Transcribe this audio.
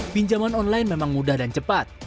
pinjaman online memang mudah dan cepat